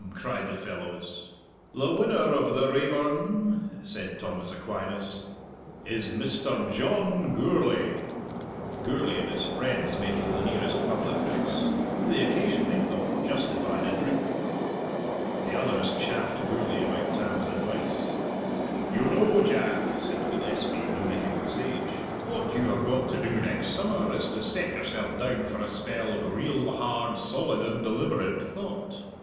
cried the fellows. "The winner of the Raeburn," said Thomas Aquinas, "is Mr. John Gourlay." Gourlay and his friends made for the nearest public house. The occasion, they thought, justified a drink. The others chaffed Gourlay about Tam's advice. "You know, Jack," said Gillespie, mimicking the sage, "what you have got to do next summer is to set yourself down for a spell of real, hard, solid, and deliberate thought.